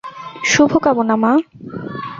শুভকামনা, মা।